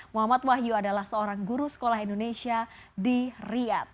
muhammad wahyu adalah seorang guru sekolah indonesia di riyad